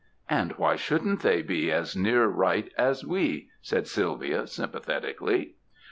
''And why shouldn't they be as near right as we?" said Sylvia sympathetically.